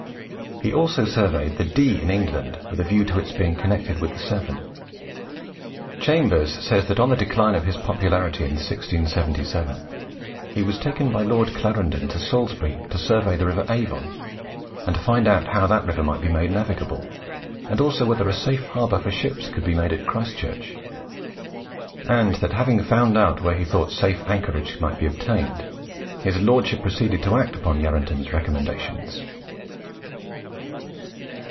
He also surveyed the Dee in England with a view to its being connected with the Severn. Chambers says that on the decline of his popularity in 1677, he was taken by Lord Clarendon to Salisbury to survey the River Avon, and find out how that river might be made navigable, and also whether a safe harbour for ships could be made at Christchurch; and that having found where he thought safe anchorage might be obtained, his Lordship proceeded to act upon Yarranton's recommendations.